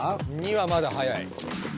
２はまだ早い。